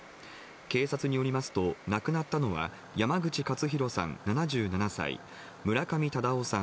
警察によりますと、亡くなったのは、山口勝弘さん７７歳、村上忠雄さん